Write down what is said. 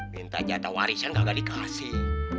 minta jatah warisan gak dikasih